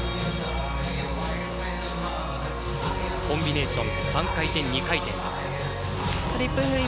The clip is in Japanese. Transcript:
コンビネーション３回転、２回転。